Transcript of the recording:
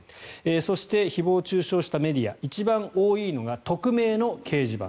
そして誹謗・中傷したメディア一番多いのが匿名の掲示板。